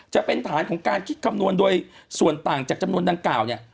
จะเป็นฐานของการคิดคำนวณโดยส่วนต่างจากจำนวนดังกล่าวเนี่ย